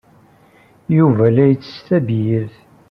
Yuba la yettess tabyirt.